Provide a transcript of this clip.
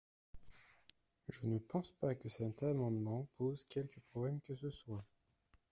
Je ne pense pas que cet amendement pose quelque problème que ce soit.